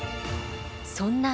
そんな